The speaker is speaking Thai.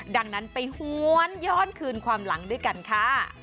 ดังนั้นไปหวนย้อนคืนความหลังด้วยกันค่ะ